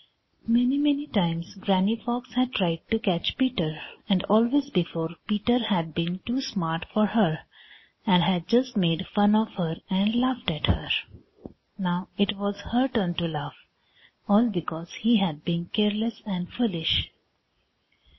Many, many times Granny Fox had tried to catch Peter, and always before Peter had been too smart for her, and had just made fun of her and laughed at her. Now it was her turn to laugh, all because he had been careless and foolish.